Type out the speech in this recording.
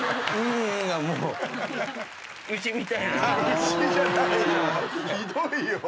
牛じゃないよ。